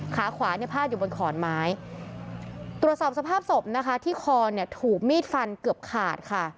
ขาขวาเนี่ยพาดอยู่บนขอนไม้ตรวจสอบสภาพศพนะคะที่คอเนี่ยถูกมีดฟันเกือบขาดค่ะ